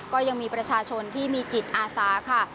ก็ยังมีประชาชนที่มีจิตอาสาค่ะ